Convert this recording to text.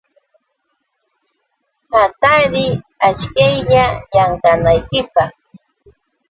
Hatariy achiklaylla llamkanaykipaq.